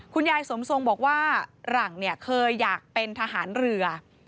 คุณยายสมทรงบอกว่าหลังเนี่ยเคยอยากเป็นทหารเรือ